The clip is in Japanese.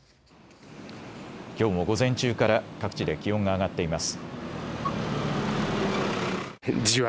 きょうも午前中から各地で気温が上がっています。